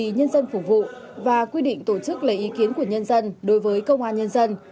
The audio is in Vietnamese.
vì nhân dân phục vụ và quy định tổ chức lấy ý kiến của nhân dân đối với công an nhân dân